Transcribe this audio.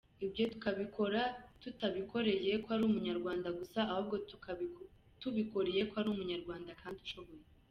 Ibyo tukabikora tutabikoreye ko ari Umunyarwanda gusa, ahubwo tubikoreye ko ari Umunyarwanda kandi ushoboye.